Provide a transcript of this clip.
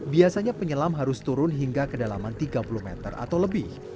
biasanya penyelam harus turun hingga kedalaman tiga puluh meter atau lebih